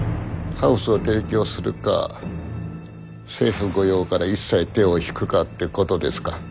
ハウスを提供するか政府御用から一切手を引くかってことですか。